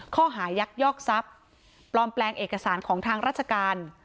ยักยอกทรัพย์ปลอมแปลงเอกสารของทางราชการ